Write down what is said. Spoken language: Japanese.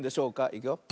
いくよ。